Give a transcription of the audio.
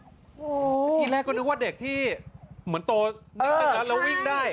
หนึ่งล็กก็นึกว่าเด็กที่เหมือนโตแล้ววิ่งได้